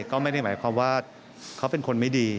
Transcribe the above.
ก็ไม่ได้หมายความว่าเขาเป็นคนไม่ดี